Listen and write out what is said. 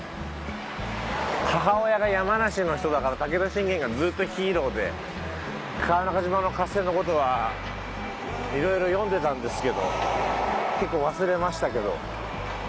母親が山梨の人だから武田信玄がずっとヒーローで川中島の合戦の事は色々読んでたんですけど結構忘れましたけど。